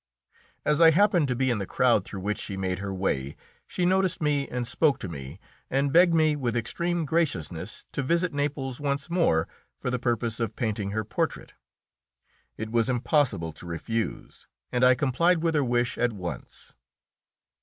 As I happened to be in the crowd through which she made her way, she noticed me and spoke to me, and begged me with extreme graciousness to visit Naples once more for the purpose of painting her portrait. It was impossible to refuse, and I complied with her wish at once.